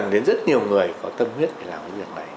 đến rất nhiều người có tâm huyết để làm cái việc này